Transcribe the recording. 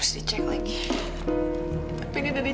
mas satria baru ngelakuin sekali masih udah kejadian